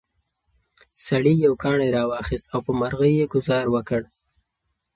سړي یو کاڼی راواخیست او په مرغۍ یې ګوزار وکړ.